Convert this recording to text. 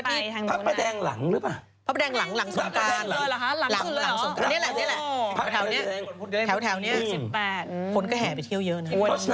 จริงไปละตั้งแต่นี้เลยพระประแดง